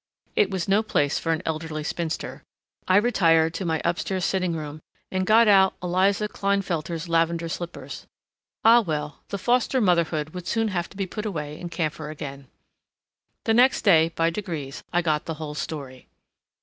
It was no place for an elderly spinster. I retired to my upstairs sitting room and got out Eliza Klinefelter's lavender slippers. Ah, well, the foster motherhood would soon have to be put away in camphor again. The next day, by degrees, I got the whole story.